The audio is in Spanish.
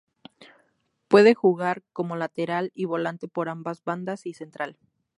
Puede jugar como lateral y volante por ambas bandas y central.